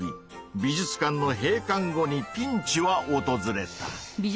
美術館の閉館後にピンチはおとずれた。